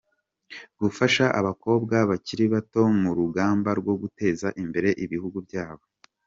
Gufasha abakobwa bakiri bato mu rugamba rwo guteza imbere ibihugu byabo.